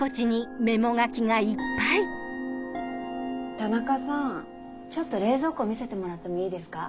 田中さんちょっと冷蔵庫見せてもらってもいいですか？